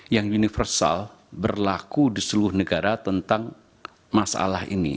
yang universal berlaku di seluruh negara tentang masalah ini